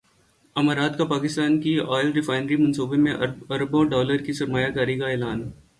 امارات کا پاکستان کی ئل ریفائنری منصوبے میں ارب ڈالر کی سرمایہ کاری کا اعلان